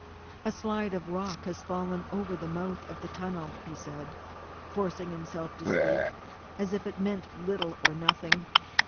"A slide of rock has fallen over the mouth of the tunnel," he said, forcing himself to speak as if it meant little or nothing.